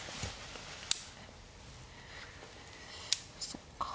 そっか。